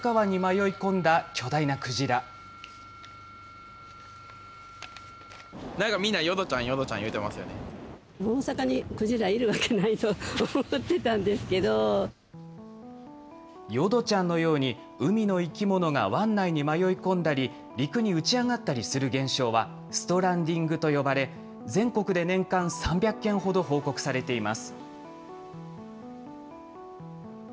ことし１月、大阪湾に迷い込んだ淀ちゃんのように、海の生き物が湾内に迷い込んだり、陸に打ち上がったりする現象は、ストランディングと呼ばれ、全国で年間３００件ほど報告されています。